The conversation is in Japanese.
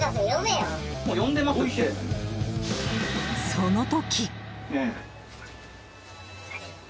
その時。